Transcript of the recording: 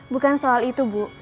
bukan soal itu bu